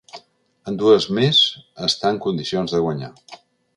En dues més està en condicions de guanyar.